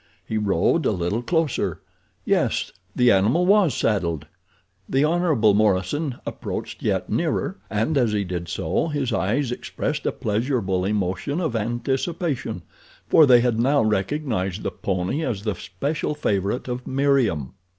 He rode a little closer. Yes, the animal was saddled. The Hon. Morison approached yet nearer, and as he did so his eyes expressed a pleasurable emotion of anticipation, for they had now recognized the pony as the special favorite of Meriem.